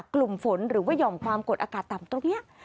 กลุ่มฝนหรือว่าหย่อมความกดอากาศต่ำตรงนี้